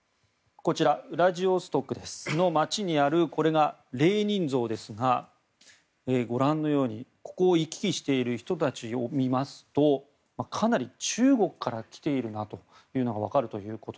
ウラジオストクの街にあるレーニン像ですがご覧のようにここを行き来している人たちを見ますとかなり中国から来ているなというのが分かります。